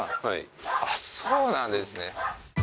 はいあっそうなんですね